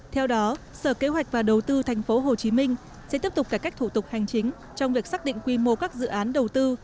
theo đó sở kế hoạch và đầu tư tp hcm sẽ tiếp tục cải cách thủ tục hành chính trong việc xác định quy mô các dự án đầu tư